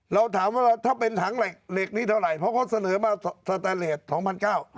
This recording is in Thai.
เราถามว่าถ้าเป็นถังเหล็กเหล็กนี้เท่าไหร่เพราะเขาเสนอมาสแตนเลสสองพันเก้า